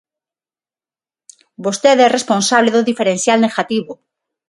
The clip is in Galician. Vostede é responsable do diferencial negativo.